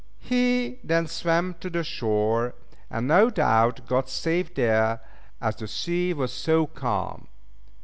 He then swam for the shore, and no doubt got safe there, as the sea was so calm.